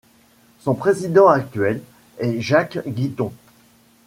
Son président actuel est Jacques Guiton.